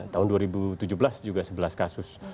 tahun dua ribu tujuh belas juga sebelas kasus